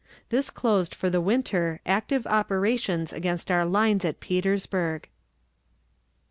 This closed for the winter active operations against our lines at Petersburg.